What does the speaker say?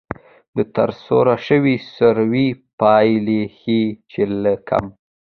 د ترسره شوې سروې پایلې ښيي چې له کم